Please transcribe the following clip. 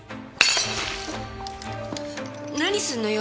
何すんのよ！